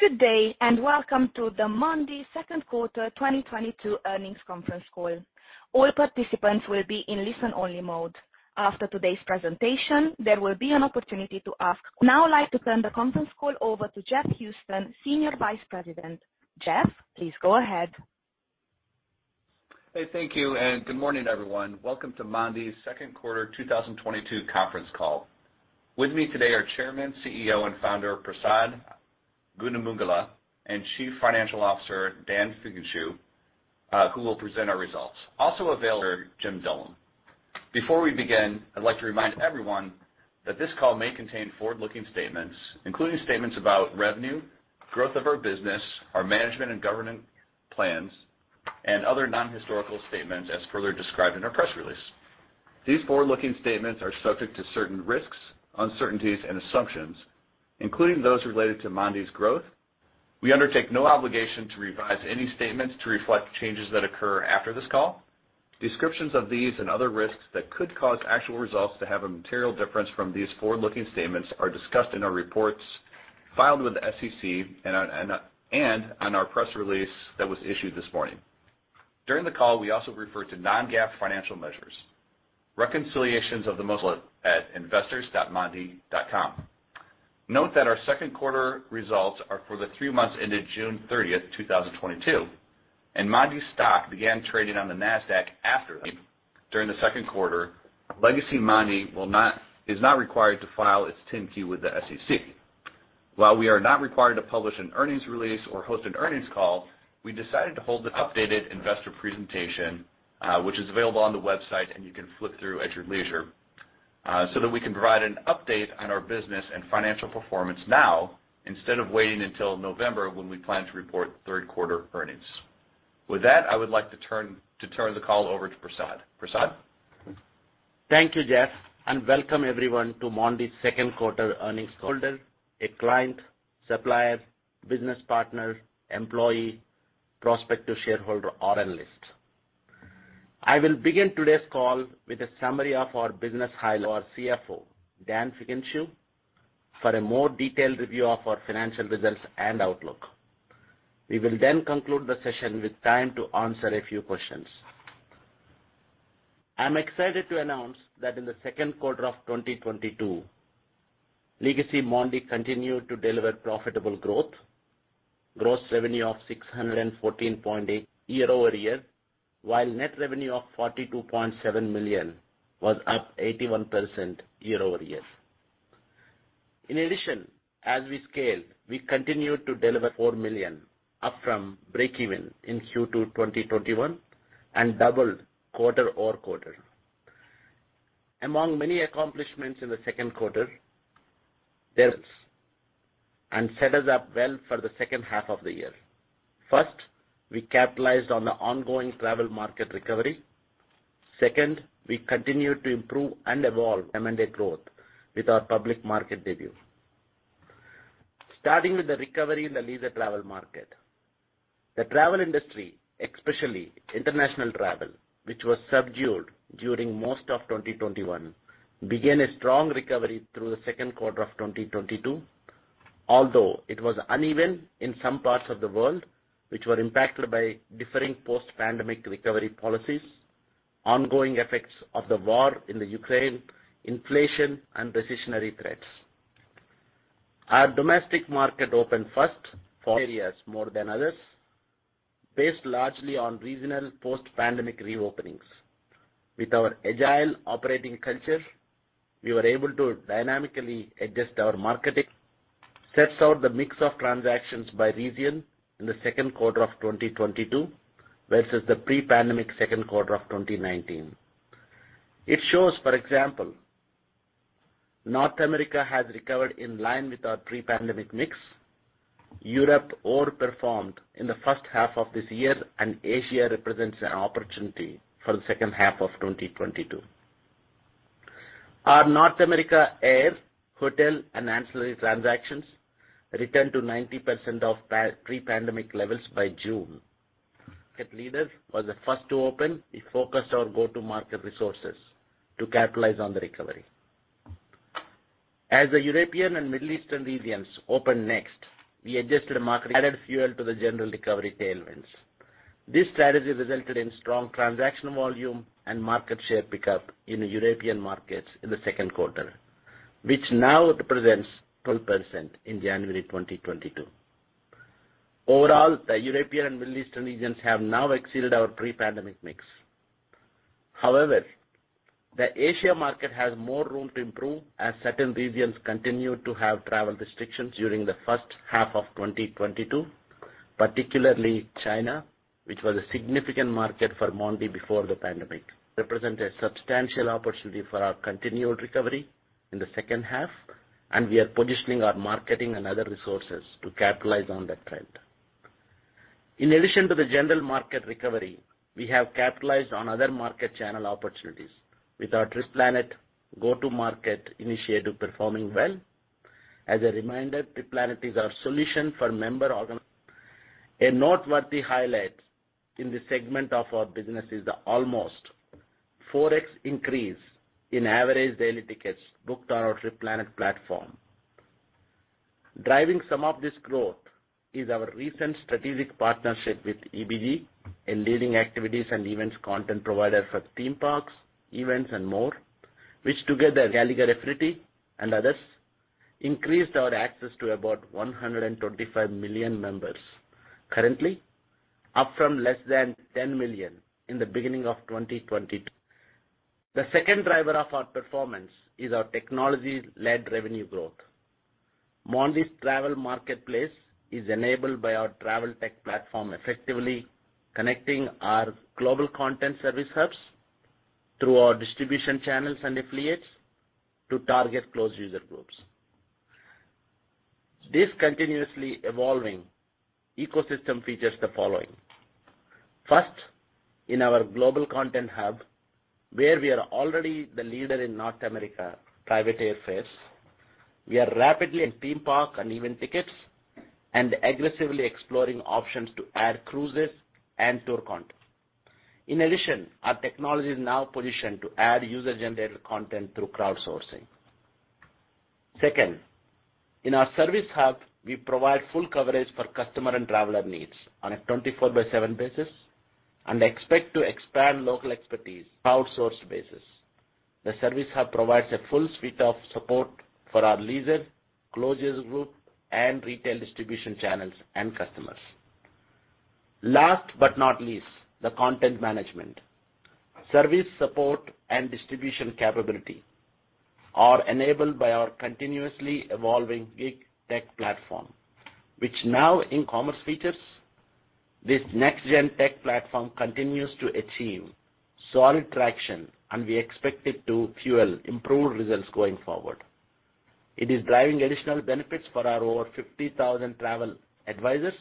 Good day, and welcome to the Mondee Q2 2022 earnings conference call. All participants will be in listen-only mode. After today's presentation, there will be an opportunity. Now I'd like to turn the conference call over to Jeff Houston, Senior Vice President. Jeff, please go ahead. Hey, thank you, and good morning, everyone. Welcome to Mondee Q2 2022 conference call. With me today are Chairman, CEO, and Founder Prasad Gundumogula and Chief Financial Officer Dan Figenshu, who will present our results. Also available, Jim Dullum. Before we begin, I'd like to remind everyone that this call may contain forward-looking statements, including statements about revenue, growth of our business, our management and governance plans, and other non-historical statements as further described in our press release. These forward-looking statements are subject to certain risks, uncertainties, and assumptions, including those related to Mondee's growth. We undertake no obligation to revise any statements to reflect changes that occur after this call. Descriptions of these and other risks that could cause actual results to have a material difference from these forward-looking statements are discussed in our reports filed with the SEC and on our press release that was issued this morning. During the call, we also refer to non-GAAP financial measures. Reconciliations of these are available at investors.mondee.com. Note that our second quarter results are for the three months ended June 30, 2022, and Mondee stock began trading on the Nasdaq after them. During the Q2, legacy Mondee is not required to file its Form 10-Q with the SEC. While we are not required to publish an earnings release or host an earnings call, we decided to hold the updated investor presentation, which is available on the website, and you can flip through at your leisure, so that we can provide an update on our business and financial performance now instead of waiting until November when we plan to report third quarter earnings. With that, I would like to turn the call over to Prasad. Prasad? Thank you, Jeff, and welcome everyone to Mondee Q2 earnings call. Whether you're a client, supplier, business partner, employee, prospective shareholder, or analyst. I will begin today's call with a summary of our business highlights. Our CFO, Dan Figenshu, for a more detailed review of our financial results and outlook. We will conclude the session with time to answer a few questions. I'm excited to announce that in the Q2 of 2022, legacy Mondee continued to deliver profitable growth. Gross revenue of $614.8 million year over year, while net revenue of $42.7 million was up 81% year over year. In addition, as we scale, we continue to deliver $4 million, up from breakeven in Q2 2021 and doubled quarter-over-quarter. Among many accomplishments in the Q2, and set us up well for the H2 of the year. First, we capitalized on the ongoing travel market recovery. Second, we continued to improve and evolve M&A growth with our public market debut. Starting with the recovery in the leisure travel market. The travel industry, especially international travel, which was subdued during most of 2021, began a strong recovery through the Q2 of 2022. Although it was uneven in some parts of the world, which were impacted by differing post-pandemic recovery policies, ongoing effects of the war in Ukraine, inflation, and recessionary threats. Our domestic market opened first for areas more than others, based largely on regional post-pandemic reopenings. With our agile operating culture, we were able to dynamically adjust our marketing. It sets out the mix of transactions by region in the Q2 of 2022 versus the pre-pandemic Q2 of 2019. It shows, for example, North America has recovered in line with our pre-pandemic mix. Europe overperformed in the H1 of this year, and Asia represents an opportunity for the second half of 2022. Our North America air, hotel, and ancillary transactions returned to 90% of pre-pandemic levels by June. Markets were the first to open. We focused our go-to-market resources to capitalize on the recovery. As the European and Middle Eastern regions opened next, we adjusted our marketing to add fuel to the general recovery tailwinds. This strategy resulted in strong transaction volume and market share pickup in the European markets in the second quarter, which now represents 12% in January 2022. Overall, the European and Middle Eastern regions have now exceeded our pre-pandemic mix. However, the Asia market has more room to improve as certain regions continue to have travel restrictions during the H1 of 2022, particularly China, which was a significant market for Mondee before the pandemic. Represents a substantial opportunity for our continual recovery in the H2, and we are positioning our marketing and other resources to capitalize on that trend. In addition to the general market recovery, we have capitalized on other market channel opportunities with our TripPlanet go-to-market initiative performing well. As a reminder, TripPlanet is our solution. A noteworthy highlight in this segment of our business is the almost 4x increase in average daily tickets booked on our TripPlanet platform. Driving some of this growth is our recent strategic partnership with EBG, a leading activities and events content provider for theme parks, events, and more, which together Gallagher Affinity and others increased our access to about 125 million members currently, up from less than 10 million in the beginning of 2022. The second driver of our performance is our technology-led revenue growth. Mondee's travel marketplace is enabled by our travel tech platform, effectively connecting our global content service hubs through our distribution channels and affiliates to target closed user groups. This continuously evolving ecosystem features the following. First, in our global content hub, where we are already the leader in North American private airfares, we are rapidly expanding in theme park and event tickets and aggressively exploring options to add cruises and tour content. In addition, our technology is now positioned to add user-generated content through crowdsourcing. Second, in our service hub, we provide full coverage for customer and traveler needs on a 24/7 basis and expect to expand local expertise on an outsourced basis. The service hub provides a full suite of support for our leisure, closed user groups, and retail distribution channels and customers. Last but not least, the content management, service support, and distribution capability are enabled by our continuously evolving gig tech platform, which now in commerce features this next-gen tech platform and continues to achieve solid traction, and we expect it to fuel improved results going forward. It is driving additional benefits for our over 50,000 travel advisors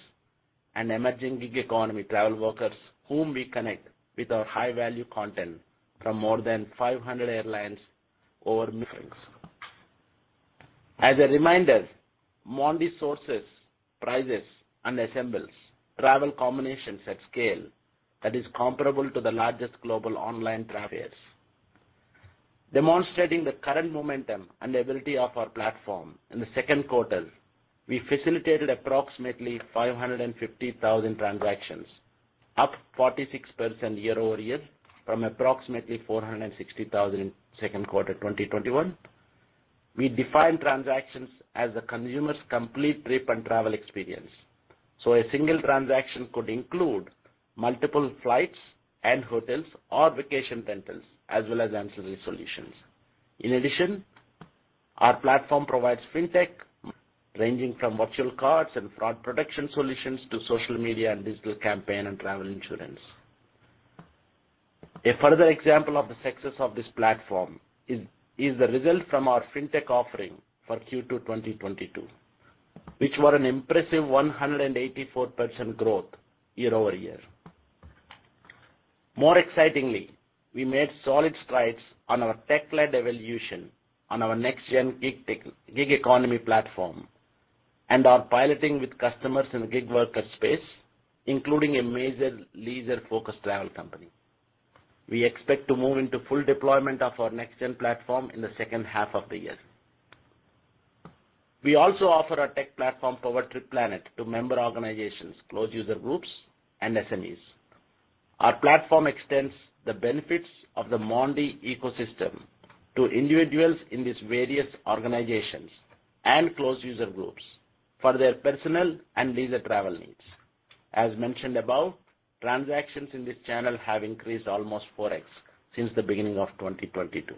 and emerging gig economy travel workers whom we connect with our high-value content from more than 500 airlines over millions. As a reminder, Mondee sources, prices, and assembles travel combinations at scale that is comparable to the largest global online travel agents. Demonstrating the current momentum and ability of our platform in the Q2, we facilitated approximately 550,000 transactions, up 46% year over year from approximately 460,000 in Q2 2021. We define transactions as the consumer's complete trip and travel experience, so a single transaction could include multiple flights and hotels or vacation rentals as well as ancillary solutions. In addition, our platform provides fintech ranging from virtual cards and fraud protection solutions to social media and digital campaign and travel insurance. A further example of the success of this platform is the result from our fintech offering for Q2 2022, which were an impressive 184% growth year-over-year. More excitingly, we made solid strides on our tech-led evolution on our next gen gig economy platform and are piloting with customers in the gig worker space, including a major leisure-focused travel company. We expect to move into full deployment of our next gen platform in the H2 of the year. We also offer our tech platform, TripPlanet, to member organizations, closed user groups, and SMEs. Our platform extends the benefits of the Mondee ecosystem to individuals in these various organizations and closed user groups for their personal and leisure travel needs. As mentioned above, transactions in this channel have increased almost 4x since the beginning of 2022.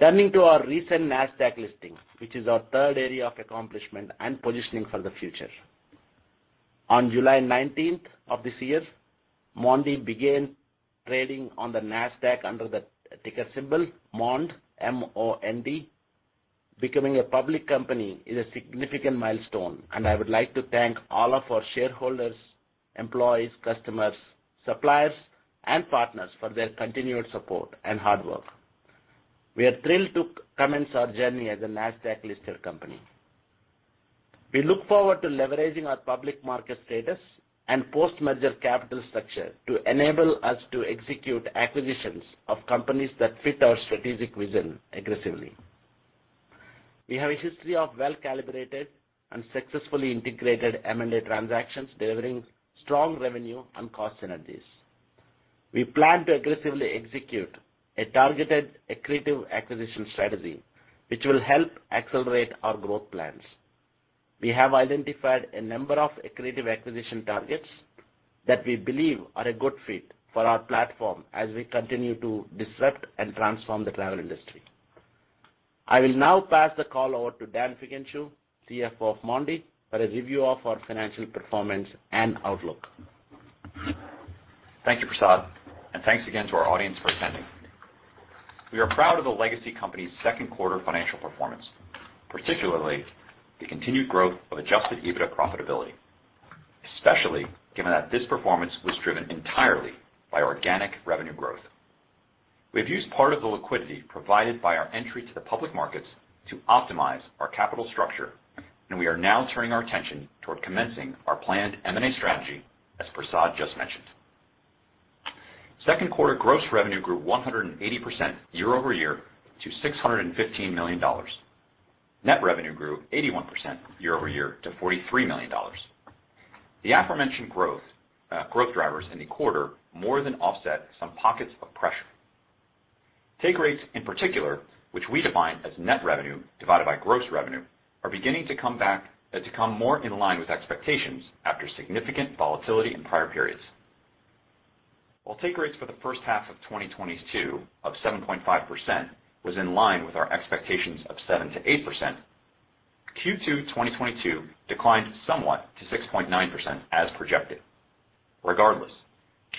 Turning to our recent Nasdaq listing, which is our third area of accomplishment and positioning for the future. On July 19th of this year, Mondee began trading on the Nasdaq under the ticker symbol MOND, M-O-N-D. Becoming a public company is a significant milestone, and I would like to thank all of our shareholders, employees, customers, suppliers, and partners for their continued support and hard work. We are thrilled to commence our journey as a Nasdaq-listed company. We look forward to leveraging our public market status and post-merger capital structure to enable us to execute acquisitions of companies that fit our strategic vision aggressively. We have a history of well-calibrated and successfully integrated M&A transactions delivering strong revenue and cost synergies. We plan to aggressively execute a targeted accretive acquisition strategy which will help accelerate our growth plans. We have identified a number of accretive acquisition targets that we believe are a good fit for our platform as we continue to disrupt and transform the travel industry. I will now pass the call over to Dan Figenshu, CFO of Mondee, for a review of our financial performance and outlook. Thank you, Prasad, and thanks again to our audience for attending. We are proud of the legacy company's second quarter financial performance, particularly the continued growth of Adjusted EBITDA profitability, especially given that this performance was driven entirely by organic revenue growth. We've used part of the liquidity provided by our entry to the public markets to optimize our capital structure, and we are now turning our attention toward commencing our planned M&A strategy, as Prasad just mentioned. Q2 gross revenue grew 180% year-over-year to $615 million. Net revenue grew 81% year-over-year to $43 million. The aforementioned growth drivers in the quarter more than offset some pockets of pressure. Take rates in particular, which we define as net revenue divided by gross revenue, are beginning to come more in line with expectations after significant volatility in prior periods. While take rates for the H1 of 2022 of 7.5% was in line with our expectations of 7%-8%, Q2 2022 declined somewhat to 6.9% as projected. Regardless,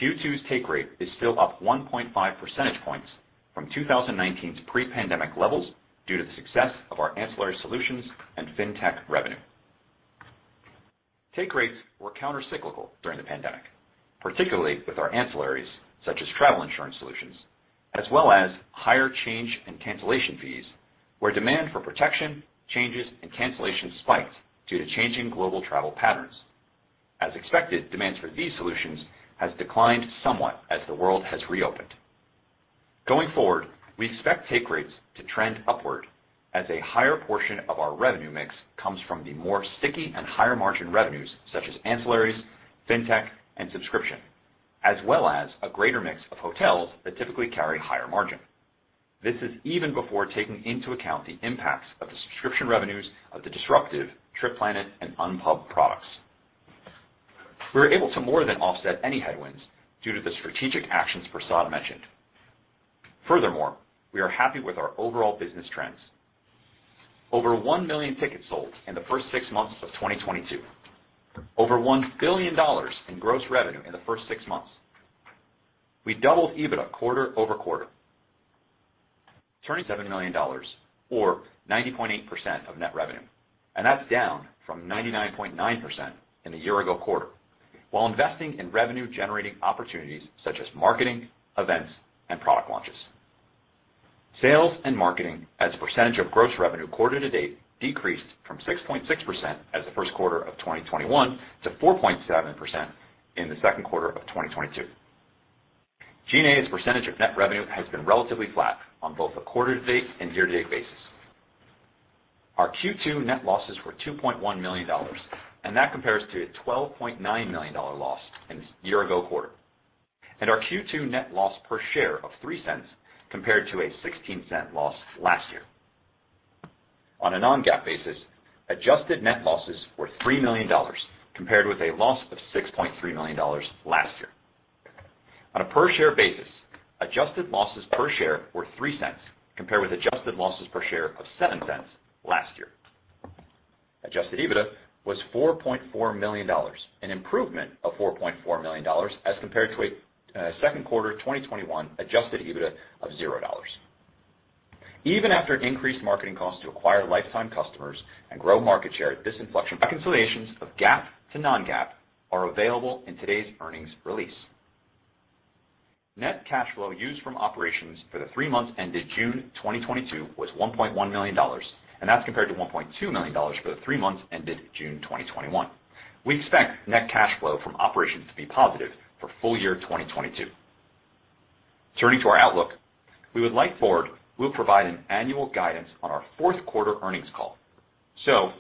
Q2's take rate is still up 1.5 percentage points from 2019's pre-pandemic levels due to the success of our ancillary solutions and fintech revenue. Take rates were countercyclical during the pandemic, particularly with our ancillaries, such as travel insurance solutions, as well as higher change and cancellation fees, where demand for protection, changes and cancellations spiked due to changing global travel patterns. As expected, demands for these solutions has declined somewhat as the world has reopened. Going forward, we expect take rates to trend upward as a higher portion of our revenue mix comes from the more sticky and higher margin revenues such as ancillaries, fintech and subscription, as well as a greater mix of hotels that typically carry higher margin. This is even before taking into account the impacts of the subscription revenues of the disruptive TripPlanet and UnPub products. We're able to more than offset any headwinds due to the strategic actions Prasad mentioned. Furthermore, we are happy with our overall business trends. Over 1 million tickets sold in the first six months of 2022. Over $1 billion in gross revenue in the first six months. We doubled EBITDA quarter-over-quarter. Turning $7 million or 90.8% of net revenue, and that's down from 99.9% in the year-ago quarter, while investing in revenue generating opportunities such as marketing, events, and product launches. Sales and marketing as a percentage of gross revenue quarter to date decreased from 6.6% as the Q1 of 2021 to 4.7% in the Q2 of 2022. G&A as a percentage of net revenue has been relatively flat on both a quarter to date and year to date basis. Our Q2 net losses were $2.1 million, and that compares to a $12.9 million loss in year-ago quarter. Our Q2 net loss per share of $0.03 compared to a $0.16 loss last year. On a non-GAAP basis, adjusted net losses were $3 million compared with a loss of $6.3 million last year. On a per-share basis, adjusted losses per share were $0.03, compared with adjusted losses per share of $0.07 last year. Adjusted EBITDA was $4.4 million, an improvement of $4.4 million as compared to a Q2 2021 adjusted EBITDA of $0. Even after increased marketing costs to acquire lifetime customers and grow market share at this inflection. Reconciliations of GAAP to non-GAAP are available in today's earnings release. Net cash flow used from operations for the three months ended June 2022 was $1.1 million, and that's compared to $1.2 million for the three months ended June 2021. We expect net cash flow from operations to be positive for full year 2022. Turning to our outlook, we'll provide an annual guidance on our Q4 earnings call.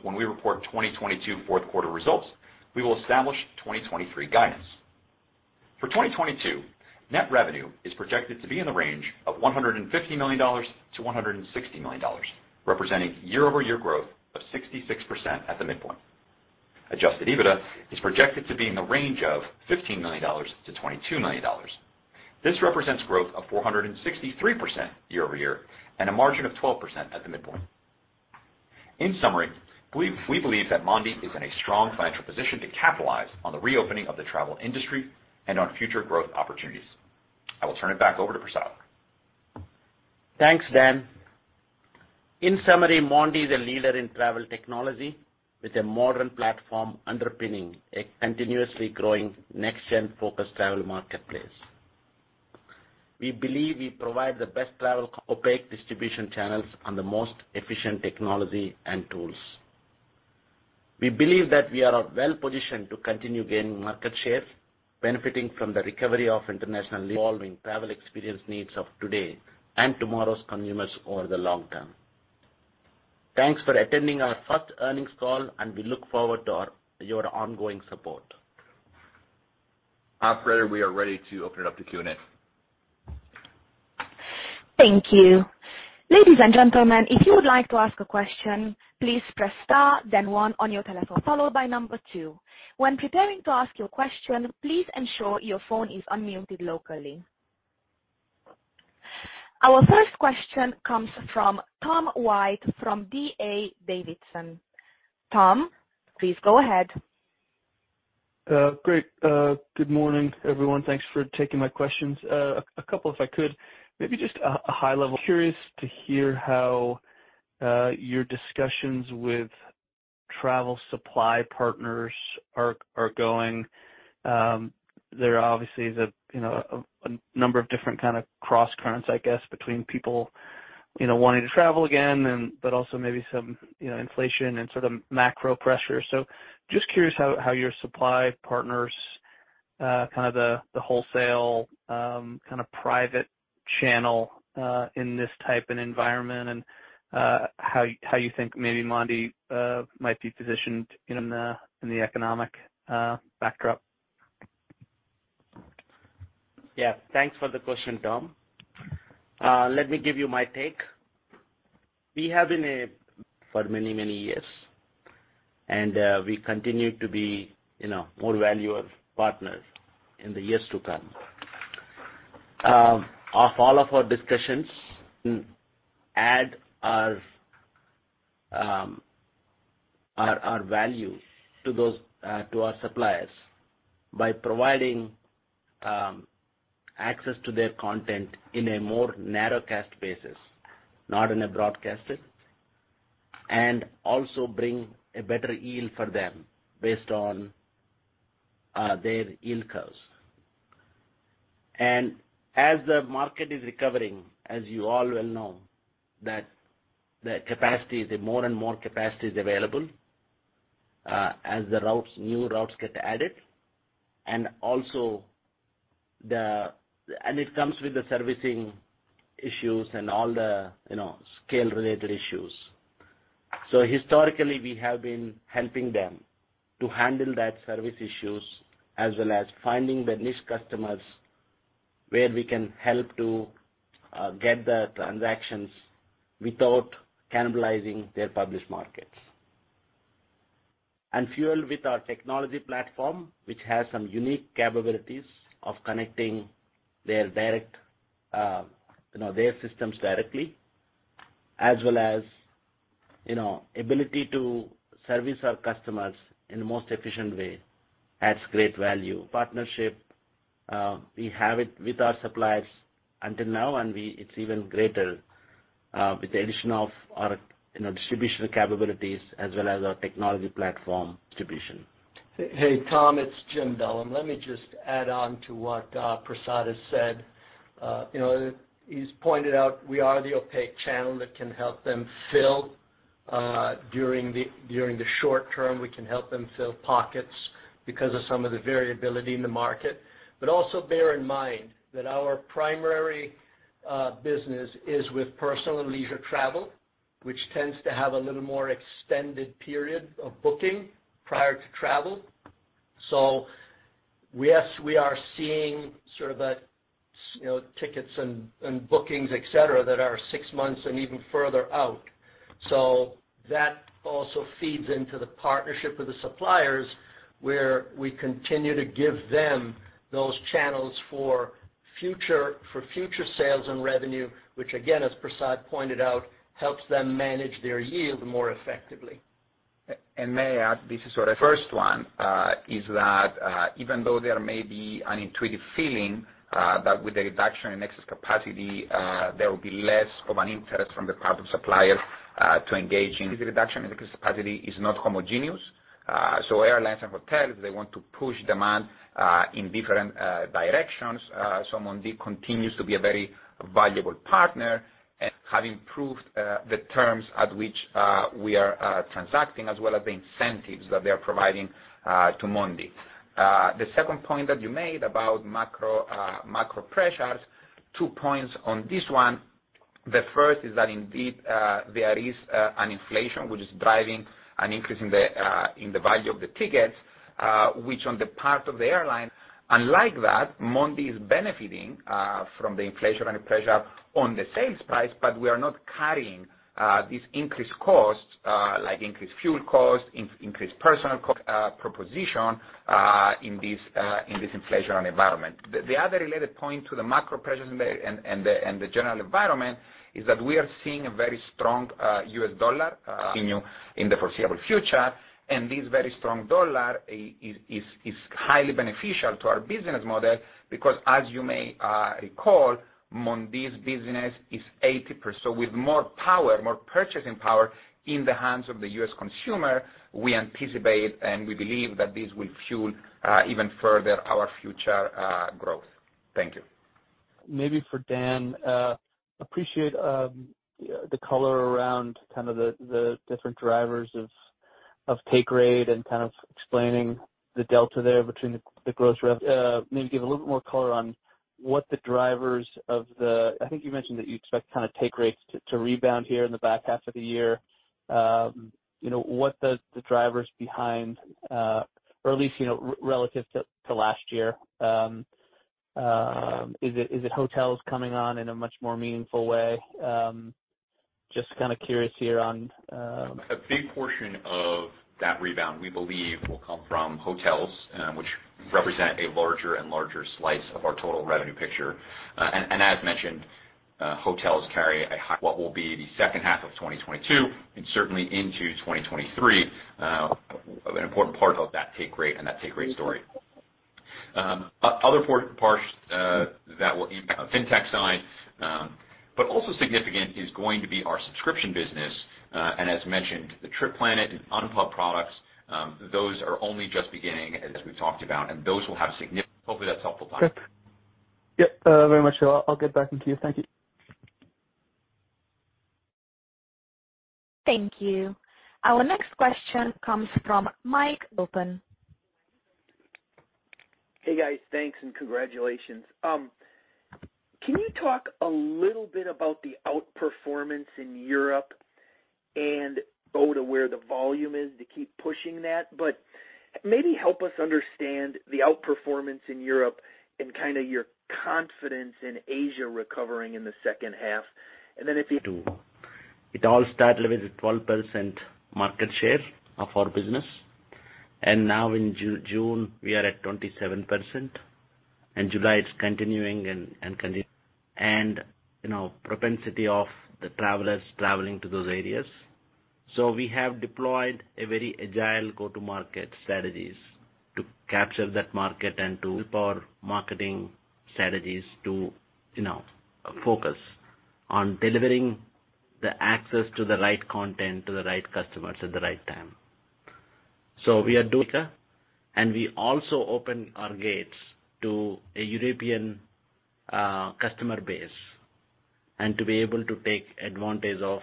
When we report 2022 fourth quarter results, we will establish 2023 guidance. For 2022, net revenue is projected to be in the range of $150 million-$160 million, representing year-over-year growth of 66% at the midpoint. Adjusted EBITDA is projected to be in the range of $15 million-$22 million. This represents growth of 463% year-over-year and a margin of 12% at the midpoint. In summary, we believe that Mondee is in a strong financial position to capitalize on the reopening of the travel industry and on future growth opportunities. I will turn it back over to Prasad. Thanks, Dan. In summary, Mondee is a leader in travel technology with a modern platform underpinning a continuously growing next-gen focused travel marketplace. We believe we provide the best travel opaque distribution channels on the most efficient technology and tools. We believe that we are well-positioned to continue gaining market share, benefiting from the recovery of international, evolving travel experience needs of today and tomorrow's consumers over the long term. Thanks for attending our first earnings call, and we look forward to your ongoing support. Operator, we are ready to open it up to Q&A. Thank you. Ladies and gentlemen, if you would like to ask a question, please press star then one on your telephone, followed by number two. When preparing to ask your question, please ensure your phone is unmuted locally. Our first question comes from Tom White from D.A. Davidson. Tom, please go ahead. Great. Good morning, everyone. Thanks for taking my questions. A couple if I could. Curious to hear how your discussions with There obviously is, you know, a number of different kind of cross currents, I guess, between people, you know, wanting to travel again and but also maybe some, you know, inflation and sort of macro pressure. Just curious how your supply partners kind of the wholesale kind of private channel in this type of environment and how you think maybe Mondee might be positioned in the economic backdrop? Yeah. Thanks for the question, Tom. Let me give you my take. We have been valuable partners for many, many years, and we continue to be, you know, more valuable partners in the years to come. In all of our discussions we add our value to our suppliers by providing access to their content in a more narrowcast basis, not broadcasted, and also bring a better yield for them based on their yield curves. As the market is recovering, as you all well know, more and more capacity is available, as new routes get added, and it comes with the servicing issues and all the, you know, scale-related issues. Historically, we have been helping them to handle that service issues as well as finding the niche customers where we can help to get the transactions without cannibalizing their published markets. Fueled with our technology platform, which has some unique capabilities of connecting their direct, you know, their systems directly, as well as, you know, ability to service our customers in the most efficient way adds great value. Partnership we have it with our suppliers until now, it's even greater with the addition of our, you know, distribution capabilities as well as our technology platform distribution. Hey, Tom, it's Jim Dullum. Let me just add on to what Prasad has said. You know, he's pointed out we are the opaque channel that can help them fill during the short term. We can help them fill pockets because of some of the variability in the market. Also bear in mind that our primary business is with personal and leisure travel, which tends to have a little more extended period of booking prior to travel. Yes, we are seeing you know tickets and bookings, et cetera, that are six months and even further out. That also feeds into the partnership with the suppliers where we continue to give them those channels for future sales and revenue, which again, as Prasad pointed out, helps them manage their yield more effectively. May I add, this is Orestes Fintiklis. First one is that even though there may be an intuitive feeling that with the reduction in excess capacity there will be less of an interest from the part of suppliers to engage in. Reduction in excess capacity is not homogeneous. Airlines and hotels, they want to push demand in different directions. Mondee continues to be a very valuable partner and have improved the terms at which we are transacting as well as the incentives that they are providing to Mondee. The second point that you made about macro pressures, two points on this one. The first is that indeed, there is an inflation which is driving an increase in the value of the tickets, which on the part of the airline. Unlike that, Mondee is benefiting from the inflationary pressure on the sales price, but we are not carrying these increased costs like increased fuel costs, increased personnel costs in this inflationary environment. The other related point to the macro pressures and the general environment is that we are seeing a very strong US dollar continue in the foreseeable future. This very strong dollar is highly beneficial to our business model because as you may recall, Mondee's business is 80%. With more power, more purchasing power in the hands of the U.S. consumer, we anticipate, and we believe that this will fuel even further our future growth. Thank you. Maybe for Dan, appreciate the color around kind of the different drivers of take rate and kind of explaining the delta there between the gross rev. Maybe give a little bit more color. I think you mentioned that you expect kind of take rates to rebound here in the back half of the year. You know, what are the drivers behind or at least, you know, relative to last year, is it hotels coming on in a much more meaningful way? A big portion of that rebound, we believe will come from hotels, which represent a larger and larger slice of our total revenue picture. As mentioned, hotels carry a high, what will be the second half of 2022 and certainly into 2023, an important part of that take rate story. Other parts that will impact our fintech side. Also significant is going to be our subscription business, and as mentioned, the TripPlanet and UnPub products, those are only just beginning as we've talked about, and those will have significant. Hopefully that's helpful, Tom. Yep. Very much so. I'll get back to you. Thank you. Thank you. Our next question comes from Mike Oppenheimer. Hey, guys. Thanks and congratulations. Can you talk a little bit about the outperformance in Europe and go to where the volume is to keep pushing that. Maybe help us understand the outperformance in Europe and kinda your confidence in Asia recovering in the second half. Then if you- It all started with 12% market share of our business, and now in June, we are at 27%, and July, it's continuing and continue. You know, propensity of the travelers traveling to those areas. We have deployed a very agile go-to-market strategies to capture that market and to help our marketing strategies to, you know, focus on delivering the access to the right content, to the right customers at the right time. We also open our gates to a European customer base, and to be able to take advantage of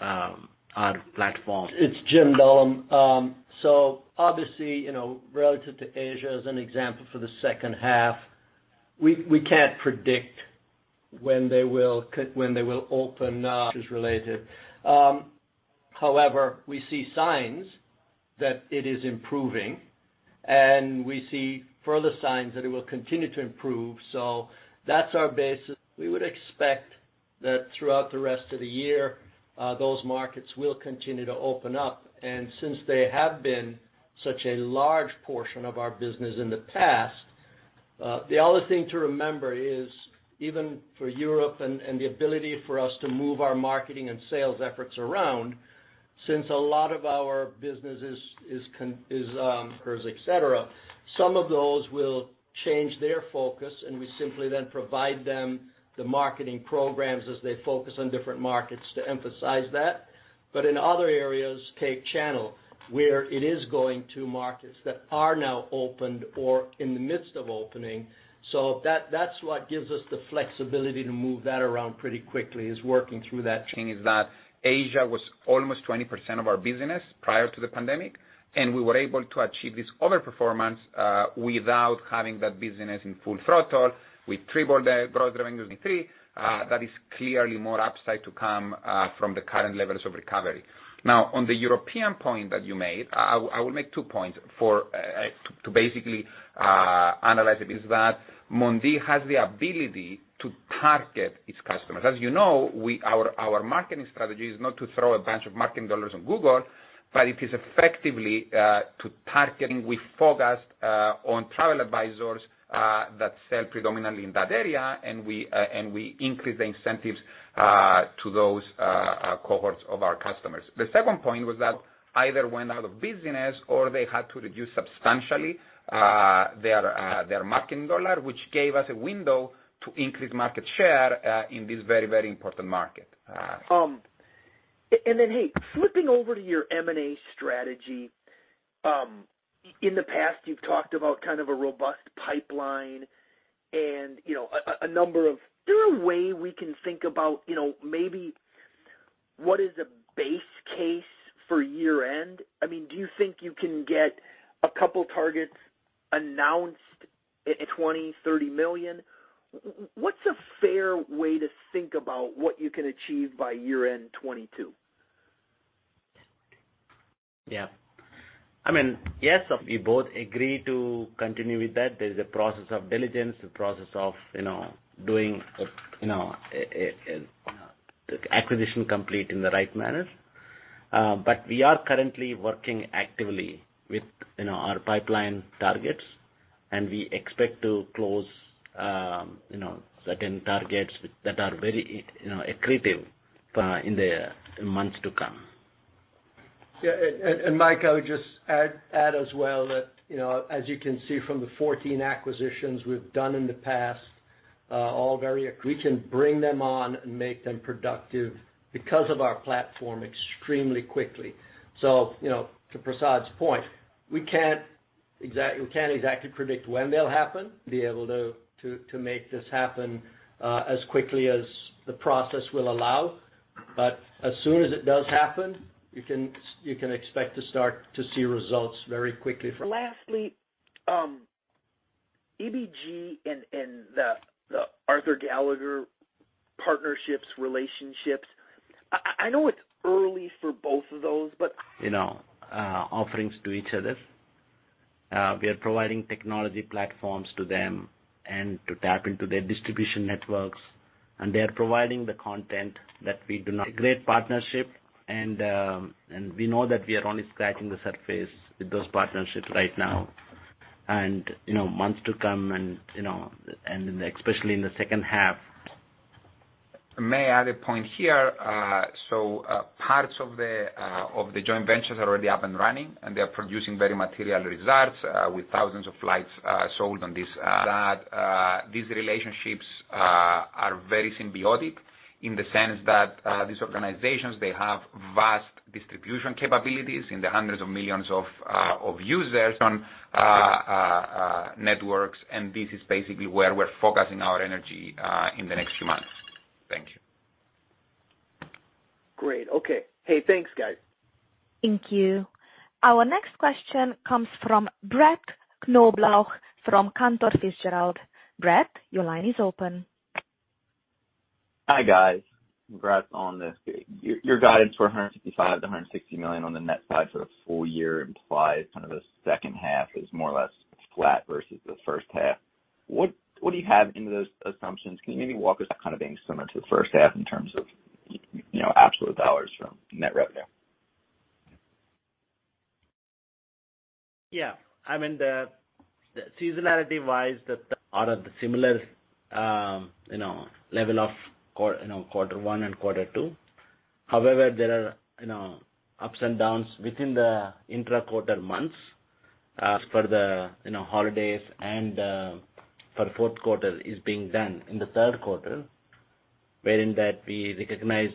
our platform. It's Jim Dullum. Obviously, you know, relative to Asia as an example for the second half, we can't predict when they will open up. However, we see signs that it is improving, and we see further signs that it will continue to improve. That's our basis. We would expect that throughout the rest of the year, those markets will continue to open up. Since they have been such a large portion of our business in the past, the other thing to remember is even for Europe and the ability for us to move our marketing and sales efforts around, since a lot of our business occurs, et cetera. Some of those will change their focus, and we simply then provide them the marketing programs as they focus on different markets to emphasize that. In other areas, tech channel, where it is going to markets that are now opened or in the midst of opening. That, that's what gives us the flexibility to move that around pretty quickly, is working through that. It's that Asia was almost 20% of our business prior to the pandemic, and we were able to achieve this overperformance without having that business in full throttle. We tripled the gross revenue in 2023. That is clearly more upside to come from the current levels of recovery. Now, on the European point that you made, I would make two points to basically analyze it. Mondee has the ability to target its customers. As you know, our marketing strategy is not to throw a bunch of marketing dollars on Google, but it is effectively targeting. We focused on travel advisors that sell predominantly in that area, and we increase the incentives to those cohorts of our customers. The second point was that either went out of business or they had to reduce substantially, their marketing dollar, which gave us a window to increase market share, in this very, very important market. Hey, flipping over to your M&A strategy, in the past, you've talked about kind of a robust pipeline and, you know, a number of. Is there a way we can think about, you know, maybe what is a base case for year-end? I mean, do you think you can get a couple targets announced in $20 million-$30 million? What's a fair way to think about what you can achieve by year-end 2022? Yeah. I mean, yes, if we both agree to continue with that. There's a due diligence process, you know, doing an acquisition completely in the right manner. We are currently working actively with, you know, our pipeline targets, and we expect to close, you know, certain targets that are very, you know, accretive, in the months to come. Yeah. Mike, I would just add as well that, you know, as you can see from the 14 acquisitions we've done in the past, we can bring them on and make them productive because of our platform extremely quickly. You know, to Prasad's point, we can't exactly predict when they'll happen, be able to make this happen as quickly as the process will allow. As soon as it does happen, you can expect to start to see results very quickly from. Lastly, EBG and the Arthur J. Gallagher partnerships, relationships. I know it's early for both of those, but- You know, offerings to each other. We are providing technology platforms to them and to tap into their distribution networks, and they are providing the content. A great partnership, and we know that we are only scratching the surface with those partnerships right now. You know, months to come, you know, and especially in the second half. May I add a point here? Parts of the joint ventures are already up and running, and they are producing very material results with thousands of flights sold. That these relationships are very symbiotic in the sense that these organizations they have vast distribution capabilities in the hundreds of millions of users on networks. This is basically where we're focusing our energy in the next few months. Thank you. Great. Okay. Hey, thanks, guys. Thank you. Our next question comes from Brett Knoblauch from Cantor Fitzgerald. Brett, your line is open. Hi, guys. Congrats on this. Your guidance for $155 million-$160 million on the net side for the full year implies kind of the second half is more or less flat versus the first half. What do you have into those assumptions? Can you maybe walk us kind of being similar to the first half in terms of, you know, absolute dollars from net revenue? Yeah. I mean, the seasonality-wise, out of the similar, you know, level of quarter one and quarter two. However, there are, you know, ups and downs within the intra-quarter months. As for the, you know, holidays and for fourth quarter is being done in the third quarter, wherein that we recognize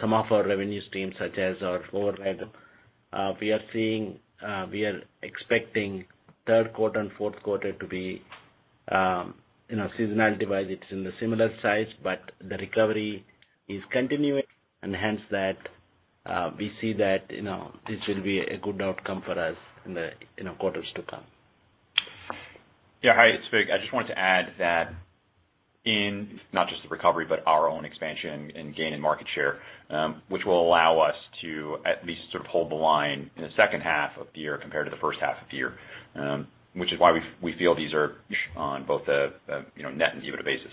some of our revenue streams, such as our overhead. We are seeing, we are expecting Q3 and Q4 to be, you know, seasonality-wise, it's in the similar size, but the recovery is continuing and hence that we see that, you know, this will be a good outcome for us in the, you know, quarters to come. Yeah. Hi, it's Vic. I just wanted to add that in not just the recovery, but our own expansion and gain in market share, which will allow us to at least sort of hold the line in the second half of the year compared to the H1 of the year, which is why we feel these are on both the, you know, net and EBITDA basis.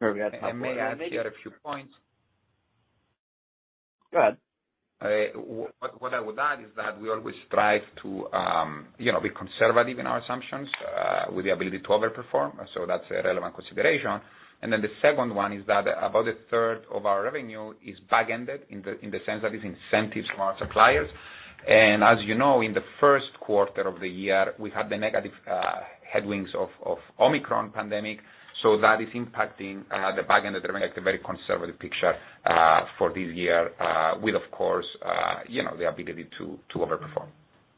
I may add here a few points. Go ahead. What I would add is that we always strive to you know be conservative in our assumptions with the ability to overperform. That's a relevant consideration. The second one is that about a third of our revenue is back-ended in the sense that it's incentives to our suppliers. As you know, in the first quarter of the year, we had the negative headwinds of Omicron pandemic. That is impacting the back end of the very conservative picture for this year with of course you know the ability to overperform.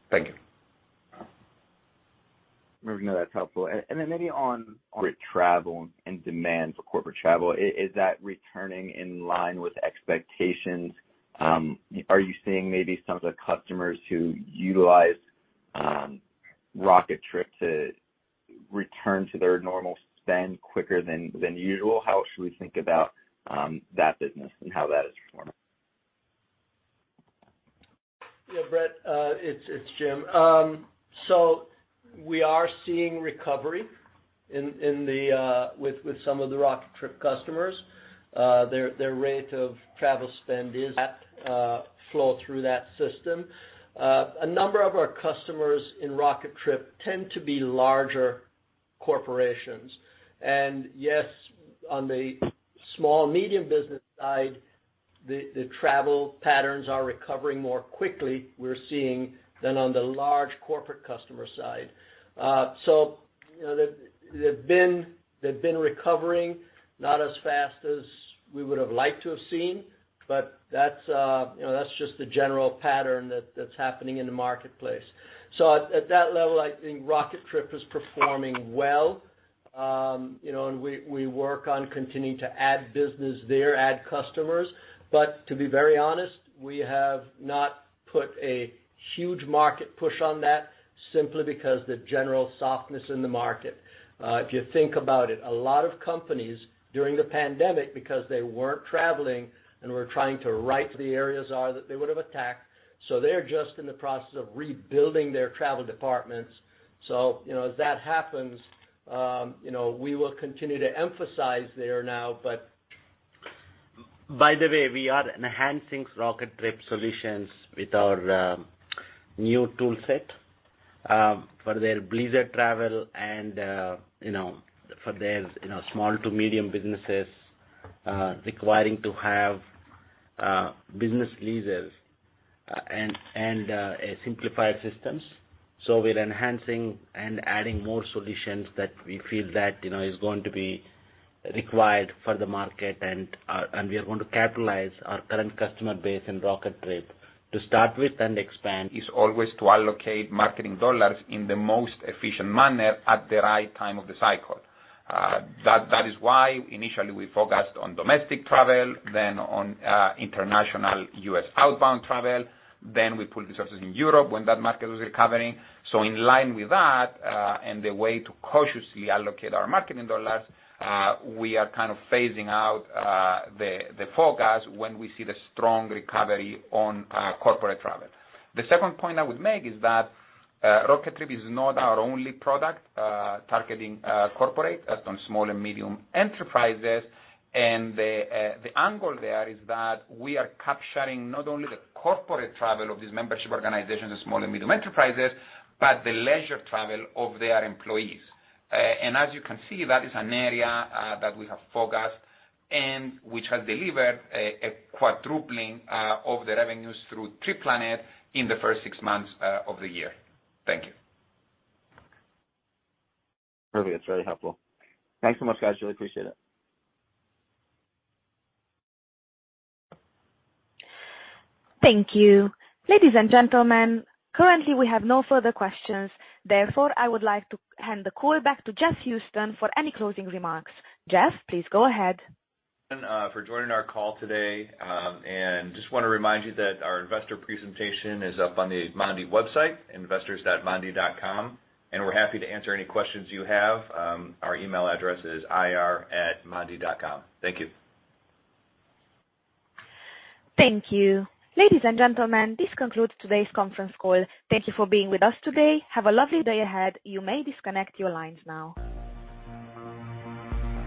Thank you. No, that's helpful. Maybe on travel and demand for corporate travel, is that returning in line with expectations? Are you seeing maybe some of the customers who utilize Rocketrip to return to their normal spend quicker than usual? How should we think about that business and how that is performing? Yeah, Brett, it's Jim. We are seeing recovery with some of the Rocketrip customers. Their rate of travel spend is at flow through that system. A number of our customers in Rocketrip tend to be larger corporations. Yes, on the small-medium business side, the travel patterns are recovering more quickly, we're seeing, than on the large corporate customer side. You know, they've been recovering not as fast as we would have liked to have seen, but that's just the general pattern that's happening in the marketplace. At that level, I think Rocketrip is performing well. You know, we work on continuing to add business there, add customers. To be very honest, we have not put a huge market push on that simply because the general softness in the market. If you think about it, a lot of companies during the pandemic, because they weren't traveling and were trying to right the areas that they would have attacked. They're just in the process of rebuilding their travel departments. You know, as that happens, you know, we will continue to emphasize there now, but. By the way, we are enhancing Rocketrip solutions with our new tool set for their leisure travel and you know for their you know small to medium businesses requiring to have business leases and a simplified systems. We're enhancing and adding more solutions that we feel that you know is going to be required for the market and we are going to capitalize our current customer base in Rocketrip to start with and expand. is always to allocate marketing dollars in the most efficient manner at the right time of the cycle. That is why initially we focused on domestic travel, then on international U.S. outbound travel. We put resources in Europe when that market was recovering. In line with that, and the way to cautiously allocate our marketing dollars, we are kind of phasing in the forecast when we see the strong recovery on corporate travel. The second point I would make is that Rocketrip is not our only product targeting corporates, as well as small and medium enterprises. The angle there is that we are capturing not only the corporate travel of these membership organizations and small and medium enterprises, but the leisure travel of their employees. As you can see, that is an area that we have focused and which has delivered a quadrupling of the revenues through TripPlanet in the first six months of the year. Thank you. Perfect. That's very helpful. Thanks so much, guys. Really appreciate it. Thank you. Ladies and gentlemen, currently, we have no further questions. Therefore, I would like to hand the call back to Jeff Houston for any closing remarks. Jeff, please go ahead. for joining our call today, and just wanna remind you that our investor presentation is up on the Mondee website, investors.mondee.com, and we're happy to answer any questions you have. Our email address is ir@mondee.com. Thank you. Thank you. Ladies and gentlemen, this concludes today's conference call. Thank you for being with us today. Have a lovely day ahead. You may disconnect your lines now.